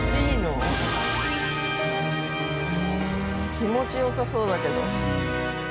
気持ち良さそうだけど。